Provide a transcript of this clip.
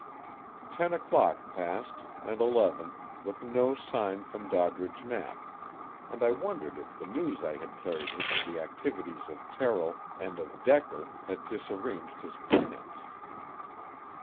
Ten o'clock passed, and eleven, with no sign from Doddridge Knapp, and I wondered if the news I had carried him of the activities of Terrill and of Decker had disarranged his plans.